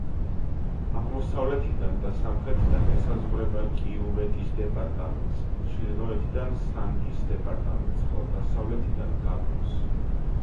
აღმოსავლეთიდან და სამხრეთიდან ესაზღვრება კიუვეტის დეპარტამენტს, ჩრდილოეთიდან სანგის დეპარტამენტს, ხოლო დასავლეთიდან გაბონს.